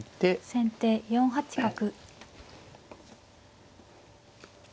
先手４八角。